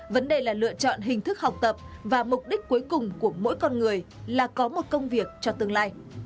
vấn đề là lựa chọn hình thức học tập và mục đích cuối cùng của mỗi con người là có một công việc cho tương lai